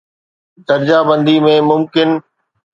درجه بندي ۾ ممڪن